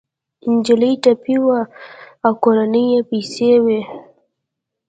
انجلۍ ټپي وه او کورنۍ يې پسې وه